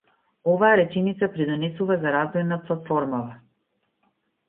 Оваа реченица придонесува за развој на платформава.